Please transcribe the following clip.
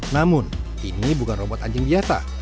namun ini bukan robot anjing biasa